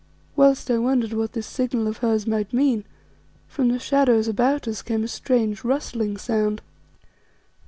Whilst I wondered what this signal of hers might mean, from the shadows about us came a strange, rustling sound.